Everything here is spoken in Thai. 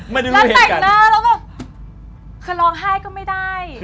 แล้วแต่งหน้าคือร้องไห้ก็ไม่ได้